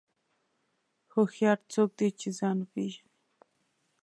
هوښیار څوک دی چې ځان وپېژني.